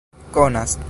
konas